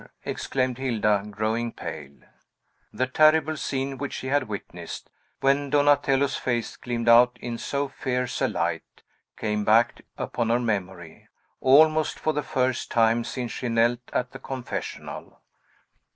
exclaimed Hilda, growing pale. The terrible scene which she had witnessed, when Donatello's face gleamed out in so fierce a light, came back upon her memory, almost for the first time since she knelt at the confessional.